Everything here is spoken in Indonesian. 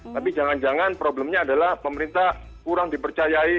tapi jangan jangan problemnya adalah pemerintah kurang dipercayai